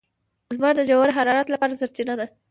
• لمر د ژور حرارت لپاره سرچینه ده.